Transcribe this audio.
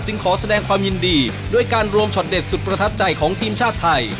ขอแสดงความยินดีด้วยการรวมช็อตเด็ดสุดประทับใจของทีมชาติไทย